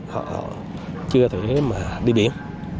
họ chưa thể mà đi biển